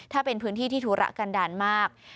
ถ้าเป็นพื้นที่ที่ธุระกันดาลมาก